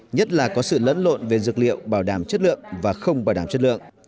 nhất là có sự lẫn lộn về dược liệu bảo đảm chất lượng và không bảo đảm chất lượng